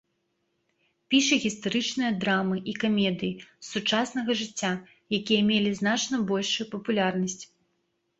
Піша гістарычныя драмы і камедыі з сучаснага жыцця, якія мелі значна большую папулярнасць.